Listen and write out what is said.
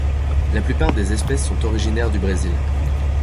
La plupart des espèces sont originaires du Brésil.